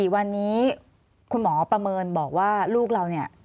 ๔วันนี้คุณหมอประเมินบอกว่าลูกเราเนี่ย